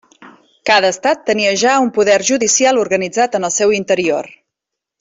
Cada estat tenia ja un poder judicial organitzat en el seu interior.